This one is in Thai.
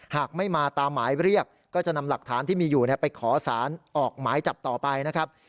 หากไม่มาตามหมายเรียกก็จะนำหลักฐานที่มีอยู่ไปขอสารออกหมายจับต่อไปนะครับ